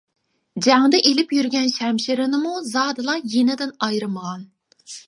جەڭدە ئېلىپ يۈرگەن شەمشىرىنىمۇ زادىلا يېنىدىن ئايرىمىغان.